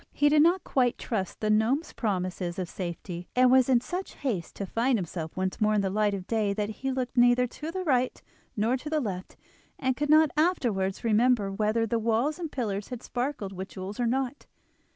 He did not quite trust the gnome's promises of safety, and was in such haste to find himself once more in the light of day that he looked neither to the right nor the left, and could not afterwards remember whether the walls and pillars had sparkled with jewels or not.